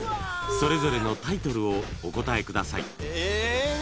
［それぞれのタイトルをお答えください］